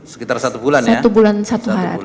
sekitar satu bulan ya satu bulan satu hari